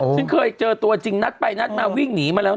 ฉันเคยเจอตัวจริงนัดไปนัดมาวิ่งหนีมาแล้ว